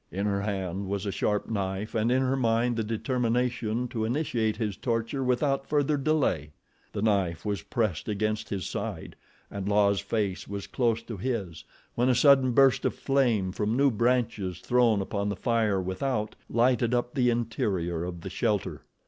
In her hand was a sharp knife and in her mind the determination to initiate his torture without further delay. The knife was pressed against his side and La's face was close to his when a sudden burst of flame from new branches thrown upon the fire without, lighted up the interior of the shelter.